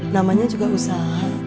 namanya juga usaha